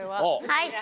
はい！